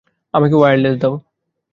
আমাকে ওয়্যারলেস দাও!